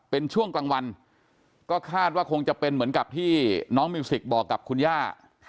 เป็นช่วงกลางวันก็คาดว่าคงจะเป็นเหมือนกับที่น้องมิวสิกบอกกับคุณย่า